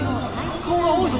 顔が青いぞ。